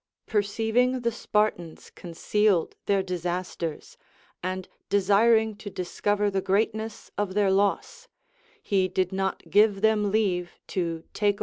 Perceiv ing the Spartans concealed their disasters, and desiring to discover the greatness of their loss, he did not give them leave to take